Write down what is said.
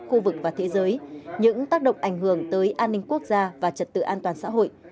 khu vực và thế giới những tác động ảnh hưởng tới an ninh quốc gia và trật tự an toàn xã hội